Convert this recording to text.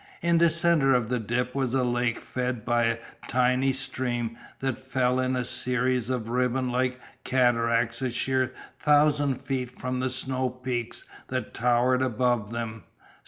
In the centre of the dip was a lake fed by a tiny stream that fell in a series of ribbonlike cataracts a sheer thousand feet from the snow peaks that towered above them.